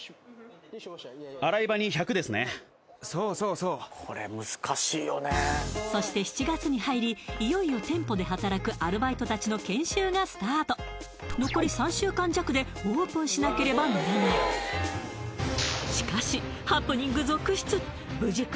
そうそして７月に入りいよいよ店舗で働くアルバイト達の研修がスタート残り３週間弱でオープンしなければならないしかしええ